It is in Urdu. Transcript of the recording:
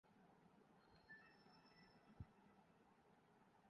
سی این جی اسٹیشن اتوار کو صبح بجے کھولے جائیں گے